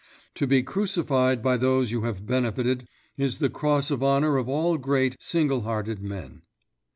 To be crucified by those you have benefited is the cross of honour of all great, single hearted men.